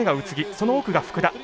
その奥が福田。